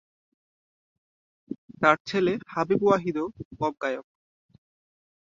তার ছেলে হাবিব ওয়াহিদ ও পপ গায়ক।